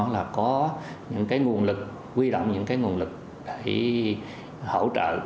là có những cái nguồn lực quy động những cái nguồn lực để hỗ trợ